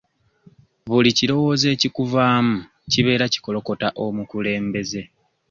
Buli kirowoozo ekikuvamu kibeera kikolokota omukulembeze.